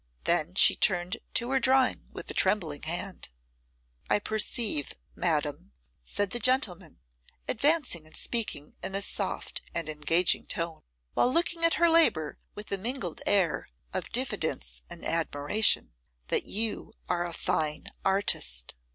Then she turned to her drawing with a trembling hand. 'I perceive, madam,' said the gentleman, advancing and speaking in a soft and engaging tone, while looking at her labour with a mingled air of diffidence and admiration, 'that you are a fine artist.